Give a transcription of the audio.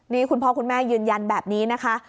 นี่คุณพ่อคุณแม่ยืนยันแบบนี้นะคะ